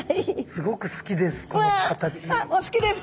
すごく好きです